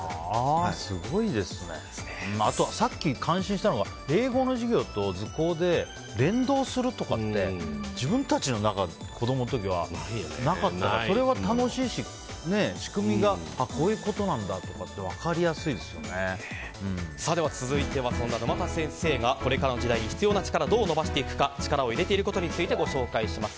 あとはさっき感心したのが英語の授業と図工で連動するとかって自分たちの子供の時はなかったから、それは楽しいし仕組みがこういうことなんだとかって続いては沼田先生がこれからの時代に必要な力をどう伸ばしていくか力を入れていることについてご紹介します。